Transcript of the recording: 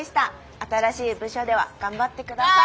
新しい部署では頑張って下さい。